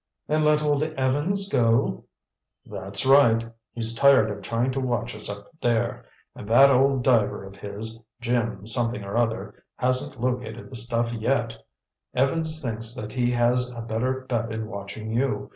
"And let Old Evans go?" "That's right. He's tired of trying to watch us up there. And that old diver of his—Jim something or other, hasn't located the stuff yet. Evans thinks that he has a better bet in watching you.